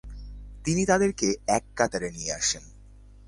তিনি তাদেরকে এক কাতারে নিয়ে আসেন।